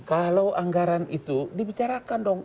kalau anggaran itu dibicarakan dong